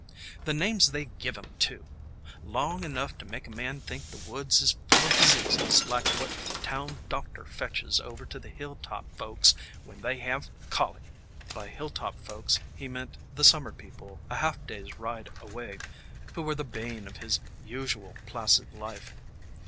"The names they give 'em, too! Long enough to make a man think the woods is full of diseases like what the town doctor fetches over to the hill top folks when they have colic!" By "hilltop folks" he meant the summer people a half day's ride away, who were the bane of his usually placid life.